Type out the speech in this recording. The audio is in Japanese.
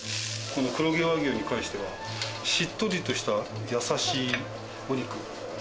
この黒毛和牛に関してはしっとりとした、やさしいお肉。